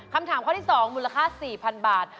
คำถามข้อที่๒มูลค่า๔๐๐๐บาท